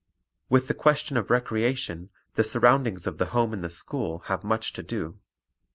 With the question of recreation the surroundings of the home and the school have much to do.